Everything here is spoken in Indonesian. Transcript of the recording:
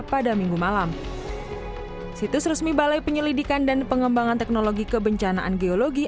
pada minggu malam situs resmi balai penyelidikan dan pengembangan teknologi kebencanaan geologi